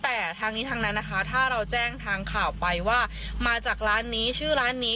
แต่ทางนี้ทางนั้นนะคะถ้าเราแจ้งทางข่าวไปว่ามาจากร้านนี้ชื่อร้านนี้